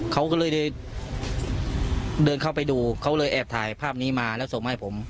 เขาก็เลยเดินเข้าไปดูเขาเลยแอบถ่ายภาพนี้มาแล้วส่งมาให้ผม